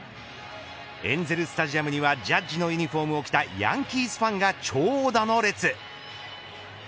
エンゼル・スタジアムにはジャッジのユニホームを着たヤンキースファンが長蛇の列。